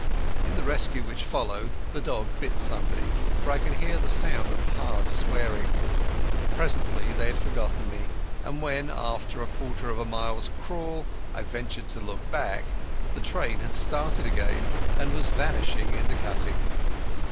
In the rescue which followed the dog bit somebody, for I could hear the sound of hard swearing. Presently they had forgotten me, and when after a quarter of a mile's crawl I ventured to look back, the train had started again and was vanishing in the cutting.